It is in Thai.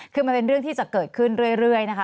คือมันเป็นเรื่องที่จะเกิดขึ้นเรื่อยนะคะ